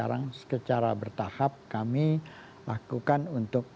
sekarang secara bertahap kami lakukan untuk